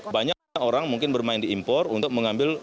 banyak orang mungkin bermain di impor untuk mengambil